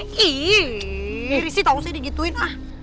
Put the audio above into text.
iiih risi tolong saya digituin lah